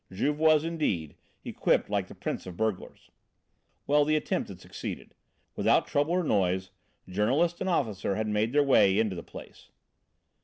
Juve was, indeed, equipped like the prince of burglars. Well, the attempt had succeeded. Without trouble or noise, journalist and officer had made their way into the place.